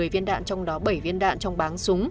một mươi viên đạn trong đó bảy viên đạn trong báng súng